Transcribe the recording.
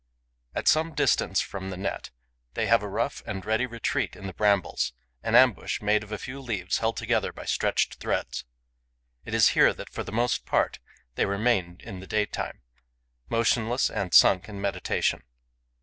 At some distance from the net, they have a rough and ready retreat in the brambles, an ambush made of a few leaves held together by stretched threads. It is here that, for the most part, they remain in the daytime, motionless and sunk in meditation.